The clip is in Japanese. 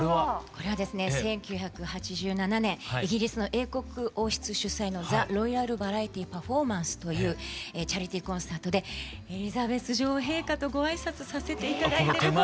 これはですね１９８７年イギリスの英国王室主催の「ザ・ロイヤル・バラエティー・パフォーマンス」というチャリティーコンサートでエリザベス女王陛下とご挨拶させて頂いてるこの瞬間なんです。